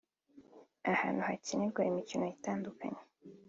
ahantu hakinirwa imikino itandukanye